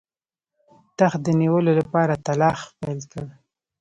تخت د نیولو لپاره تلاښ پیل کړ.